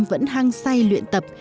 vẫn hang say luyện tập